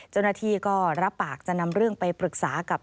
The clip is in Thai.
เจ้าหน้าที่ก็รับปากจะนำเรื่องไปปรึกษากับ